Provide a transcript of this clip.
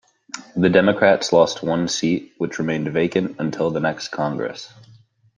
The Democrats lost one seat, which remained vacant until the next Congress.